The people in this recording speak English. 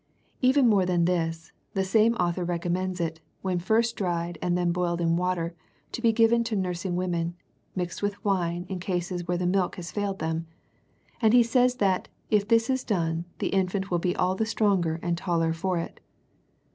Even more than this, the same author recommends it, when first dried and then boiled in water, to be given to nurs ing women, mixed with wine, in cases where the milk has failed them : and he says that, if this is done, the infant will be all the stronger and taller for it.